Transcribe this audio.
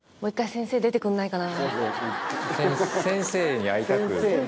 先生に会いたいな。